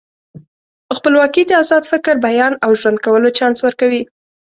خپلواکي د ازاد فکر، بیان او ژوند کولو چانس ورکوي.